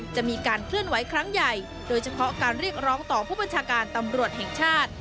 จะมีการเคลื่อนไหวครั้งใหญ่โดยเฉพาะการเรียกร้องต่อผู้บัญชาการตำรวจแห่งชาติ